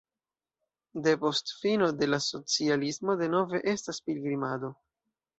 Depost fino de la socialismo denove estas pilgrimado.